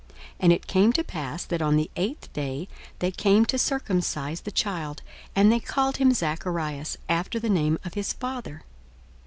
42:001:059 And it came to pass, that on the eighth day they came to circumcise the child; and they called him Zacharias, after the name of his father.